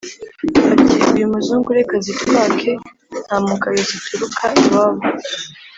Ati: "Uyu Muzungu reka azitwake Nta mugayo zituruka iwabo!